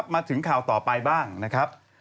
มาถึงข่าวต่อไปบ้างนะครับ